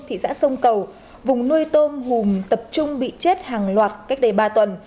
thị xã sông cầu vùng nuôi tôm hùm tập trung bị chết hàng loạt cách đây ba tuần